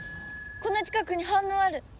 この近くに反応ある。